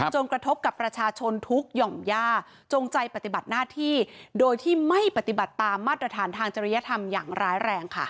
กระทบกับประชาชนทุกหย่อมย่าจงใจปฏิบัติหน้าที่โดยที่ไม่ปฏิบัติตามมาตรฐานทางจริยธรรมอย่างร้ายแรงค่ะ